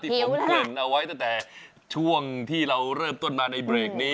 ผมเกริ่นเอาไว้ตั้งแต่ช่วงที่เราเริ่มต้นมาในเบรกนี้